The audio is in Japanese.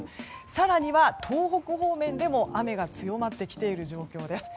更には東北方面でも雨が強まってきている状況です。